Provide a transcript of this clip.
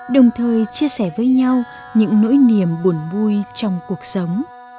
đồng thời chia sẻ với nhau những nỗi niềm buồn vui trong cuộc sống